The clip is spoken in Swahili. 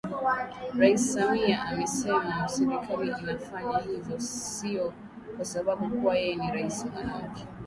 Rais Samia amesema Serikali inafanya hivyo sio kwasababu kuwa yeye ni Rais Mwanamke